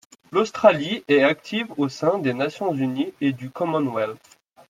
L'Australie est active au sein des Nations unies et du Commonwealth.